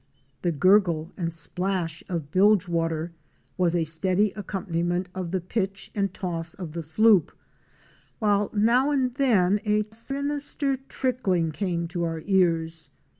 The gurgle and splash of bilge water was a steady accompaniment of the pitch and toss of the sloop, while now and then a sinister trickling came to our ears.